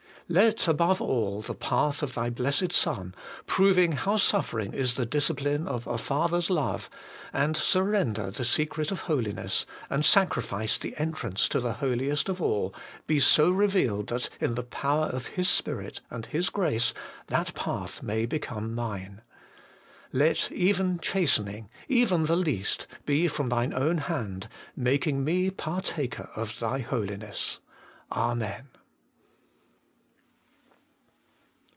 Let, above all, the path of Thy Blessed Son, proving how suffer ing is the discipline of a Father's love, and surrender the secret of holiness, and sacrifice the entrance to the Holiest of all, be so revealed that in the power of His Spirit and His grace that path may become mine. Let even chastening, even the least.be from Thine own hand, making me partaker of Thy Holiness. Amen.